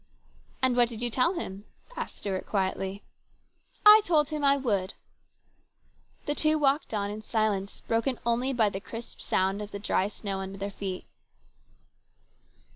" And what did you tell him ?" asked Stuart quietly. " I told him I would." The two walked on in silence, broken only by the crisp sound of the dry snow under their feet.